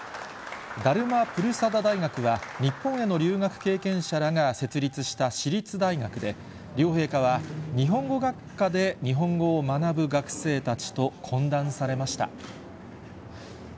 ダルマ・プルサダ大学は日本への留学経験者らが設立した私立大学で、両陛下は、日本語学科で日本語を学ぶ学生たちと懇談されました。